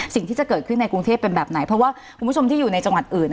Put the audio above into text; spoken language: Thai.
สิ่งที่จะเกิดขึ้นในกรุงเทพเป็นแบบไหนเพราะว่าคุณผู้ชมที่อยู่ในจังหวัดอื่น